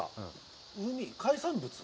海産物？